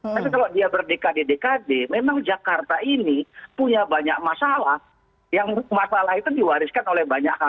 tapi kalau dia berdekade dekade memang jakarta ini punya banyak masalah yang masalah itu diwariskan oleh banyak hal